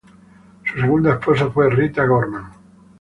Su segunda esposa fue Rita Gorman.